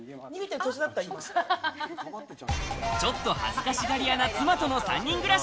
ちょっと恥ずかしがり屋な妻との３人暮らし。